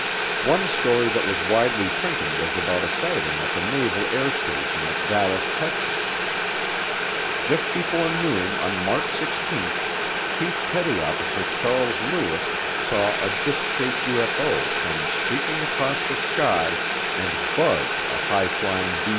One story that was widely printed was about a sighting at the naval air station at Dallas, Texas. Just before noon on March 16, Chief Petty Officer Charles Lewis saw a disk shaped UFO come streaking across the sky and buzz a high flying B 36.